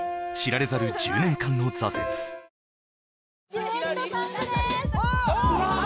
デュエットソングでーすうわあ